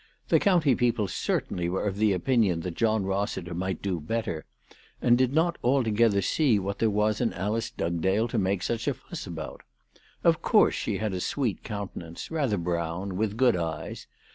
The county people certainly were of opinion that John Eossiter might do better, and did not altogether see what there was in Alice Dugdale to make such a fuss about. Of course she had a sweet countenance, rather brown, with good eyes.